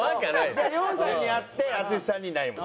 じゃあ亮さんにあって淳さんにないもの。